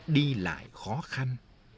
đi lại khó khăn